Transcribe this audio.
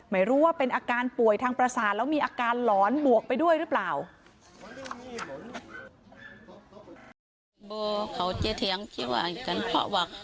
ไม่รู้ว่าเป็นอาการป่วยทางประสาทแล้วมีอาการหลอนบวกไปด้วยหรือเปล่า